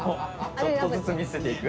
ちょっとずつ見せていく。